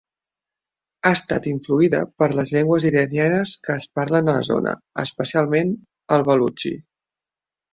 Ha estat influïda per les llengües iranianes que es parlen a la zona, especialment el balutxi.